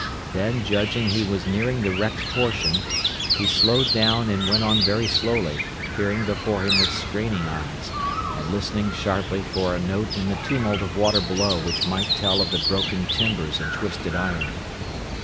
Then judging he was nearing the wrecked portion, he slowed down and went on very slowly, peering before him with straining eyes, and listening sharply for a note in the tumult of water below which might tell of the broken timbers and twisted iron.